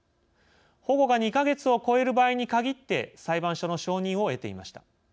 保護が２か月を超える場合に限って裁判所の承認を得ていました。